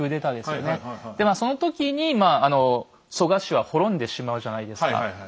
でまあその時に蘇我氏は滅んでしまうじゃないですか。